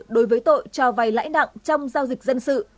đối với tội cho vai lãi nạn trong giao dịch dân sự